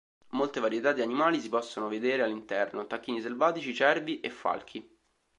Molte varietà di animali si possono vedere all'interno: tacchini selvatici, cervi e falchi.